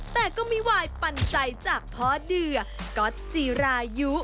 แต่ก็ไม่วายปันใจจากพ่อเดือก๊อตจีรายุ